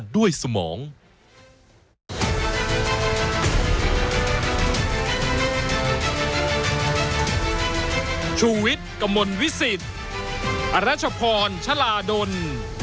ไม่หวนอื่นกับทางงานเดียว